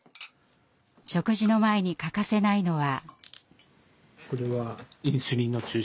食事の前に欠かせないのは。